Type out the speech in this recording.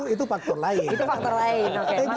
itu pertimbangannya pak jokowi